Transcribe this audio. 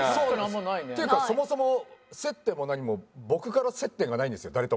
というかそもそも接点も何も僕から接点がないんですよ